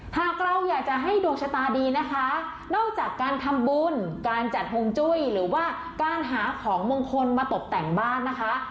หากเราอยากจะให้ดวงชะตาดีนะคะนอกจากการทำบุญการจัดฮวงจุ้ยหรือว่าการหาของมงคลมาตกแต่งบ้านนะคะ